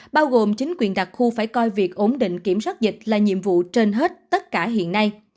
bao gồm chính quyền đặc khu phải coi việc ổn định kiểm soát dịch là nhiệm vụ trên hết tất cả hiện nay